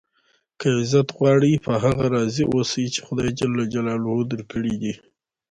که عزت غواړئ؟ په هغه راضي اوسئ، چي خدای جل جلاله درکړي دي.